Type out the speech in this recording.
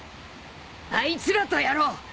あいつらとやろう。